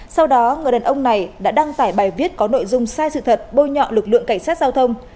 sau đó người đàn ông này đã đăng tải bài viết có nội dung sai sự thật bôi nhọ lực lượng cảnh sát giao thông